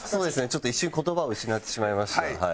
ちょっと一瞬言葉を失ってしまいました。